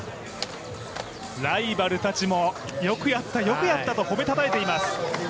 ライバルたちもよくやった、よくやったと褒めたたえています。